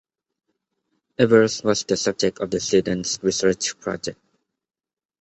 Evers was the subject of the students' research project.